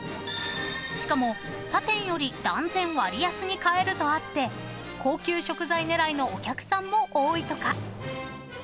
［しかも他店より断然割安に買えるとあって高級食材狙いのお客さんも多いとか］